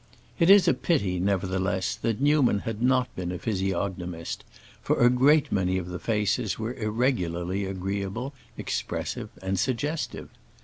It is a pity, nevertheless, that Newman had not been a physiognomist, for a great many of the faces were irregularly agreeable, expressive, and suggestive.